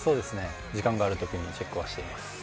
時間があるときにはチェックをしています。